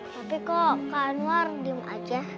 tapi kok kak anwar diem aja